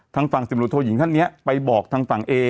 ทางฝั่งจิมรุตโทยิงท่านเนี่ยไปบอกทางฝั่งเอ